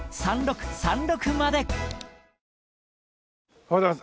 おはようございます。